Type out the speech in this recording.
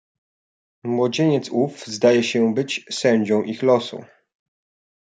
"Młodzieniec ów zdaje się być sędzią ich losu."